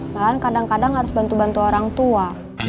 malahan kadang kadang harus bantu bantu orang tua